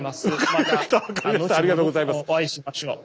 また後ほどお会いしましょう。